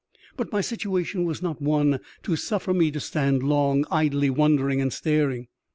But my situation was not one, to suffer me to stand long, idly wondering and staring.